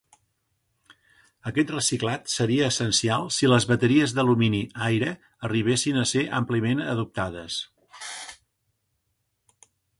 Aquest reciclat seria essencial si les bateries d'alumini-aire arribessin a ser àmpliament adoptades.